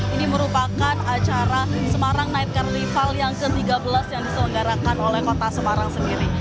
ini merupakan acara semarang night carnival yang ke tiga belas yang diselenggarakan oleh kota semarang sendiri